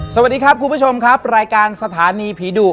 สวัสดีครับคุณผู้ชมครับรายการสถานีผีดุ